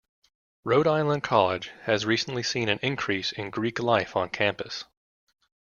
Rhode Island College has recently seen an increase in "Greek" life on campus.